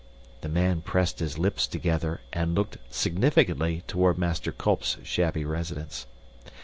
The man pressed his lips together and looked significantly toward Master Kolp's shabby residence.